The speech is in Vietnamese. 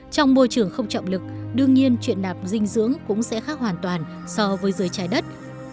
trong môi trường không trọng lực đương nhiên chuyện nạp dinh dưỡng cũng sẽ khác hoàn toàn so với dưới trái đất